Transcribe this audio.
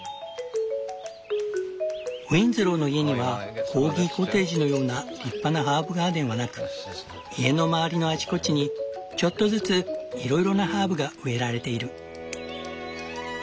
ウィンズローの家にはコーギコテージのような立派なハーブガーデンはなく家の周りのあちこちにちょっとずついろいろなハーブが植えられている。